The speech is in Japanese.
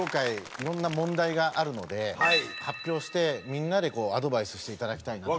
いろんな問題があるので発表してみんなでこうアドバイスしていただきたいなと。